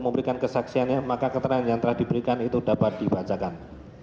memberikan kesaksiannya maka keterangan yang telah diberikan itu dapat dibacakan